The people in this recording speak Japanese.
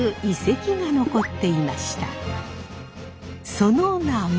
その名も。